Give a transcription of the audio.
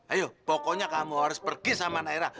ayo pokoknya kamu harus pergi sama anak era